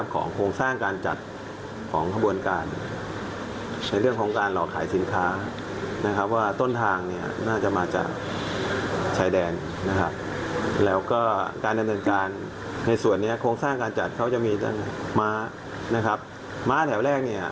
โครงสร้างการจัดของขบวนการในเรื่องของการหลอกขายสินค้านะครับว่าต้นทางเนี่ยน่าจะมาจากชายแดนนะครับแล้วก็การดำเนินการในส่วนนี้โครงสร้างการจัดเขาจะมีม้านะครับม้าแถวแรกเนี่ย